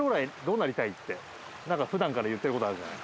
なんか普段から言ってる事あるじゃない。